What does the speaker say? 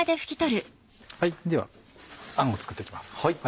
ではあんを作っていきます。